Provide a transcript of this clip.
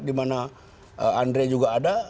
dimana andre juga ada